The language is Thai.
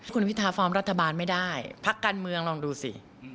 คุณพิทาฟอร์มรัฐบาลไม่ได้พักการเมืองลองดูสิ